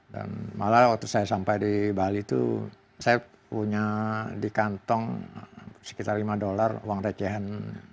dan malah waktu saya sampai di bali itu saya punya di kantong sekitar lima dolar uang recehan